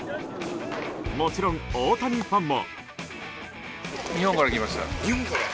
もちろん大谷ファンも。